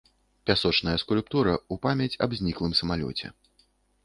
Пясочная скульптура ў памяць аб зніклым самалёце.